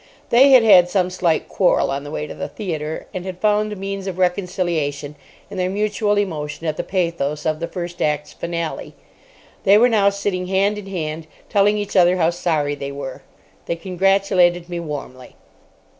They had had some slight quarrel on the way to the theatre, and had found a means of reconciliation in their mutual emotion at the pathos of the first act's finale. They were now sitting hand in hand telling each other how sorry they were. They congratulated me warmly.